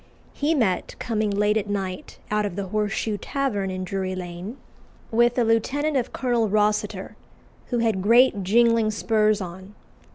He met, coming late at night out of the Horseshoe Tavern in Drury Lane, with a lieutenant of Colonel Rossiter, who had great jingling spurs on.